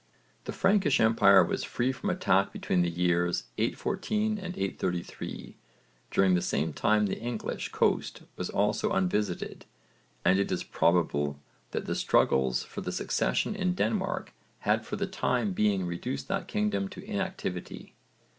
The Frankish empire was free from attack between the years 814 and 833. During the same time the English coast was also unvisited, and it is probable that the struggles for the succession in Denmark had for the time being reduced that kingdom to inactivity.